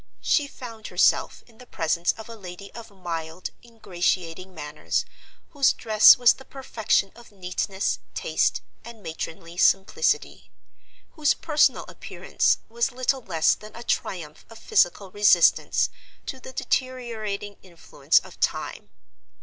She found herself in the presence of a lady of mild, ingratiating manners, whose dress was the perfection of neatness, taste, and matronly simplicity, whose personal appearance was little less than a triumph of physical resistance to the deteriorating influence of time.